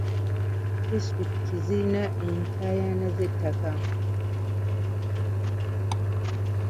Disitulikiti zirina enkaayana z'ettaka.